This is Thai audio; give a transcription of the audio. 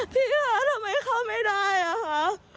พี่คะทำไมเข้าไม่ได้อ่ะคะ